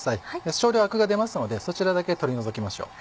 少量アクが出ますのでそちらだけ取り除きましょう。